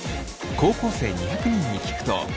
高校生２００人に聞くと。